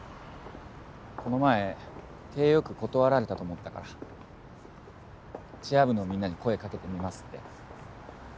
この前体よく断られたと思ったからチア部のみんなに声かけてみますって。